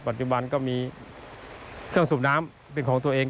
ปัจจุบันก็มีครั้งสูบน้ำเป็นของตัวเอง